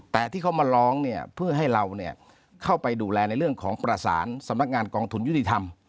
แต่ที่เขามาร้องเนี่ยเพื่อให้เราเข้าไปดูแลในเรื่องของประสานสำนักงานกองทุนยุติธรรม